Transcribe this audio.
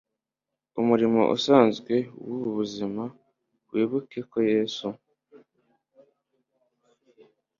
imirimo isanzwe yubu buzima bibuke ko Yesu